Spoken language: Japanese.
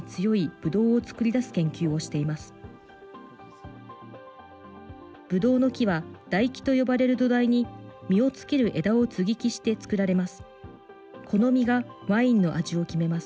ぶどうの木は台木と呼ばれる土台に、実をつける枝を接ぎ木して作られます。